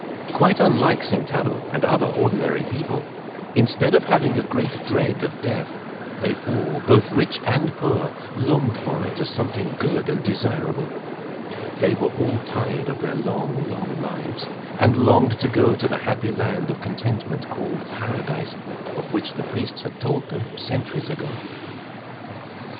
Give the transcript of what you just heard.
Quite unlike Sentaro and other ordinary people, instead of having a great dread of death, they all, both rich and poor, longed for it as something good and desirable. They were all tired of their long, long lives, and longed to go to the happy land of contentment called Paradise of which the priests had told them centuries ago.